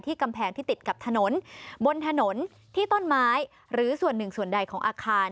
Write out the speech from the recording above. กำแพงที่ติดกับถนนบนถนนที่ต้นไม้หรือส่วนหนึ่งส่วนใดของอาคาร